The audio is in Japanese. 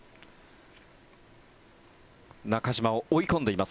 中島を追い込んでいます。